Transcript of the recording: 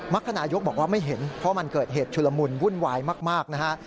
รคนายกบอกว่าไม่เห็นเพราะมันเกิดเหตุชุลมุนวุ่นวายมากนะฮะ